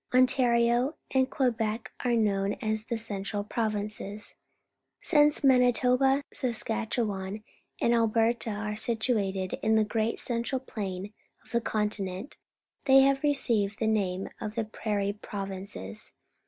Ontario and Quebec are known as the Ce ntral Prov in ces. Since Ma)iitoba, Saskatcheican, and ^4/ berta are situated in the great central plain of the continent, thej' ha\e received the name of the Prair ie Prov inces.